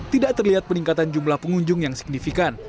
tidak terlihat peningkatan jumlah pengunjung yang signifikan